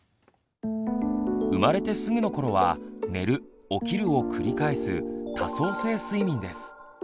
生まれてすぐの頃は寝る起きるを繰り返す「多相性睡眠」です。